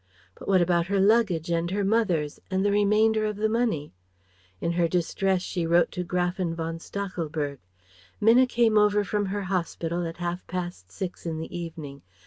But what about her luggage and her mother's, and the remainder of the money? In her distress she wrote to Gräfin von Stachelberg. Minna came over from her hospital at half past six in the evening.